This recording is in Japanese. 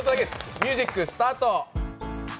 ミュージックスタート。